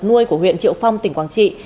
nuôi của huyện triệu phong tỉnh quảng trị